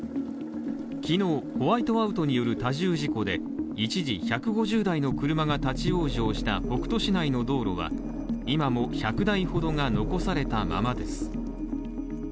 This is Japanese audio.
昨日、ホワイトアウトによる多重事故で一時１５０台の車が立ち往生した北斗市内の道路は今も１００台ほどが残されたままです。